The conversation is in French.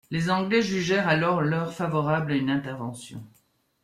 Les Anglais jugèrent alors l’heure favorable à une intervention.